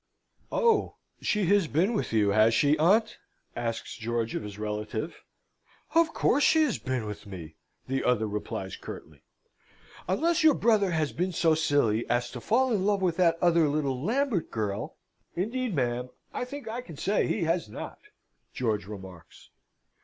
"Oh, she has been with you, has she, aunt?" asks George of his relative. "Of course she has been with me," the other replies, curtly. "Unless your brother has been so silly as to fall in love with that other little Lambert girl " "Indeed, ma'am, I think I can say he has not," George remarks.